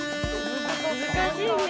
難しいね。